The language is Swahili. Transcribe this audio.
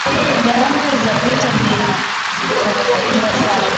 gharama za vita hivyo zilikuwa kubwa sana